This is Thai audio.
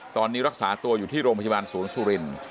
ตอนนี้รักษาตัวอยู่ที่โรงพยาบาลศูนย์สุรินทร์